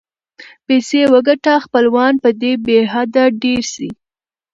پیسې وګټه خپلوان به دې بی حده ډېر سي.